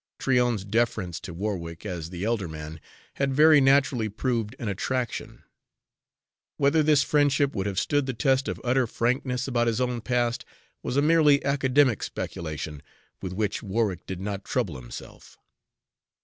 Tryon's deference to Warwick as the elder man had very naturally proved an attraction. Whether this friendship would have stood the test of utter frankness about his own past was a merely academic speculation with which Warwick did not trouble himself.